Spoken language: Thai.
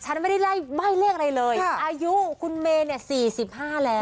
ฉันไม่ได้ไล่ใบ้เลขอะไรเลยอายุคุณเมย์เนี่ย๔๕แล้ว